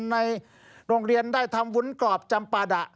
ในโรงเรียนได้ทำวุ้นกรอบจำปาดะ